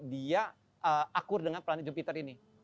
dia akur dengan planet jupiter ini